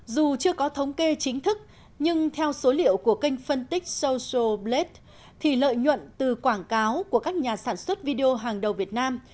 dù chưa có thống kê chính thức nhưng theo số liệu của kênh phân tích social blade thì lợi nhuận từ quảng cáo của các nhà sản xuất video hàng đầu việt nam